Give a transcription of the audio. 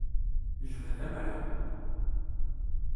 Jbed amrar.